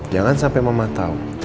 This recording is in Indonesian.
jangan sampai mama tahu